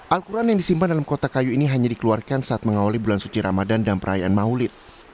al quran yang disimpan dalam kotak kayu ini hanya dikeluarkan saat mengawali bulan suci ramadan dan perayaan maulid